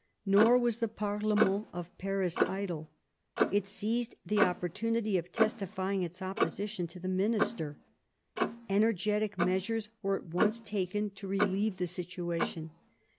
Nor was the parlement of Paris idle ; it seized the opportunity of testifying its opposition to the minister. Energetic measures were at once taken to relieve the situation.